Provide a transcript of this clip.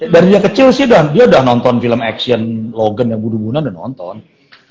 dari dia kecil sih dia udah nonton film action logan yang bunuh budan udah nonton